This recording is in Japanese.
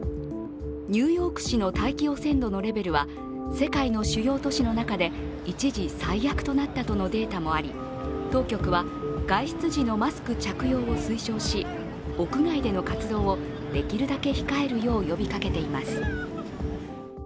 ニューヨーク市の大気汚染度のレベルは世界の主要都市の中で一時最悪となったとのデータもあり、当局は外出時のマスク着用を推奨し屋外での活動をできるだけ控えるよう呼びかけています。